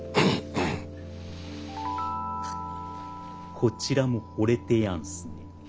こちらもほれてやんすね。